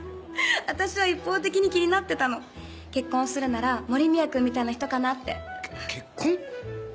私は一方的に気になってた結婚するなら森宮君みたいな人かなって結婚？